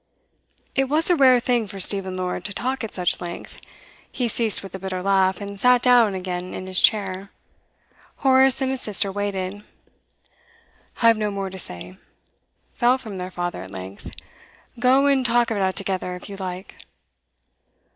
It was a rare thing for Stephen Lord to talk at such length. He ceased with a bitter laugh, and sat down again in his chair. Horace and his sister waited. 'I've no more to say,' fell from their father at length. 'Go and talk about it together, if you like.